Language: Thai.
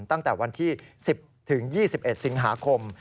ตั้งแต่วันที่๑๐๒๑สิงหาคม